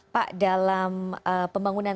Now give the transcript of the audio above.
pak dalam pembangunan